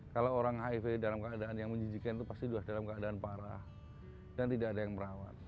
kalau orang hiv dalam keadaan yang menjijikan itu pasti sudah dalam keadaan parah dan tidak ada yang merawat